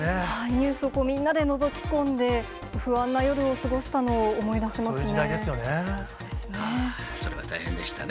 ニュースをみんなでのぞき込んで、不安な夜を過ごしたのを思い出しますね。